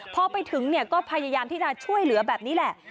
พอไปถึงก็พยายามที่จะช่วยเหลือแบบนี้แหละ